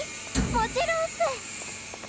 もちろんっす！